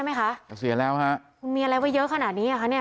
มีอะไรว่าเยอะขนาดนี้ค่ะ